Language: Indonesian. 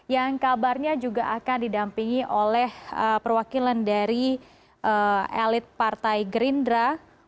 yang kabarnya juga akan didampingi oleh perwakilan dari elit partai gerindra